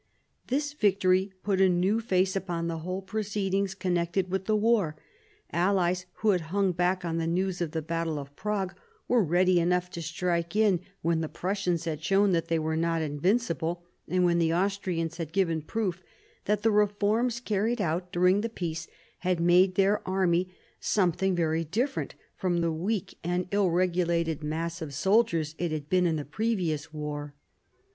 This. victory put a new face upon the whole proceed ings connected with the war. Allies, who had hung back on the news of the battle of Prague, were ready enough to strike in when the Prussians had shown that they were not invincible, and when the Austrians had given proof that the reforms carried out during the peace had made their army something very different from the weak and ill regulated mass of soldiers it had 138 MARIA THERESA ohap. vii been in the previous war.